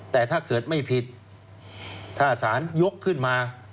แต่ถ้าเกิดไม่ผิดถ้าสารยกขึ้นมา